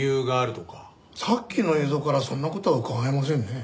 さっきの映像からはそんな事はうかがえませんね。